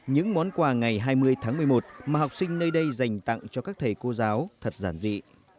những món quà ngày hai mươi tháng một mươi một mà học sinh nơi đây dành tặng cho các thầy cô giáo thật giản dị